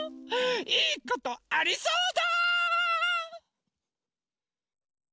いいことありそうだ！